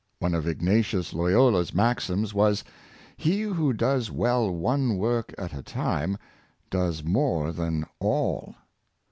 One of Ignatius Loyola's maxims was, " He who does well one work at a time, does more than all."